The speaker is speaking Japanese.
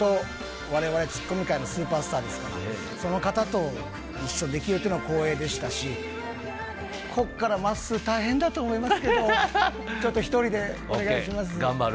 われわれ、ツッコミ界のスーパースターですから、その方と一緒できるというのは光栄でしたし、ここからまっすー、大変だと思いますけど、頑張る。